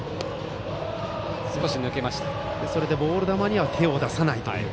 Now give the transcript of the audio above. ボール球には手を出さないという。